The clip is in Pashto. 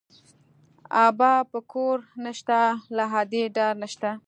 ابا په کور نه شته، له ادې ډار نه شته